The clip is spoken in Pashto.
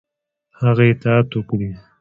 هغه اطاعت وکړي.